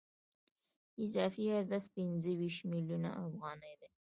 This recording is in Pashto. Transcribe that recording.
اضافي ارزښت پنځه ویشت میلیونه افغانۍ دی